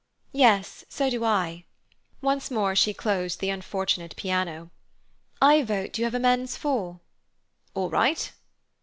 "Yes, so do I." Once more she closed the unfortunate piano. "I vote you have a men's four." "All right."